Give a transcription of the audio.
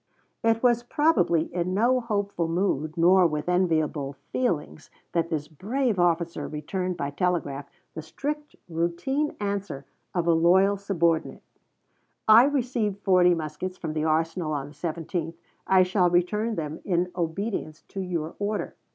It was probably in no hopeful mood nor with enviable feelings that this brave officer returned by telegraph the strict routine answer of a loyal subordinate: "I received forty muskets from the arsenal on the 17th, I shall return them in obedience to your order."